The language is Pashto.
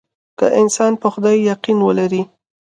که انسان په خدای يقين ولري.